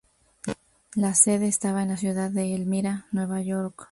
La sede estaba en la ciudad de Elmira, Nueva York.